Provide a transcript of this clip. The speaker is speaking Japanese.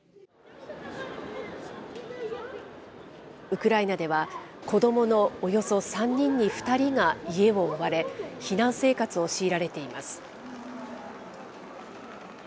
ウクライナでは、子どものおよそ３人に２人が家を追われ、避難生活を強いられています。